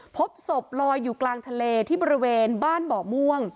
พบศพลอยอยู่กลางทะเลที่บริเวณบ้านบ่อม่วง